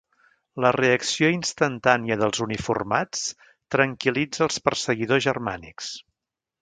La reacció instantània dels uniformats tranquil·litza els perseguidors germànics.